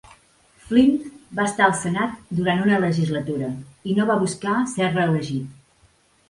Flint va estar al Senat durant una legislatura i no va buscar ser reelegit.